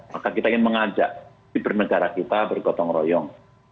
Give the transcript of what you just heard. maka kita ingin mengajak si pernegara kita bergotong royong